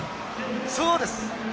そうです。